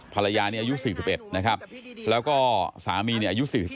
ภรรยาอายุ๔๑แล้วก็สามีอายุ๔๔